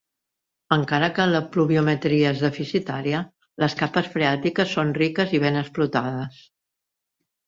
Encara que la pluviometria és deficitària les capes freàtiques són riques i ben explotades.